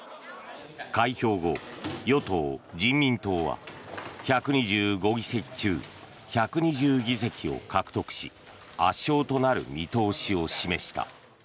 開票後、与党・人民党は１２５議席中１２０議席を獲得し圧勝となる見通しを示した。